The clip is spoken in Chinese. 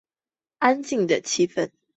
安静的气氛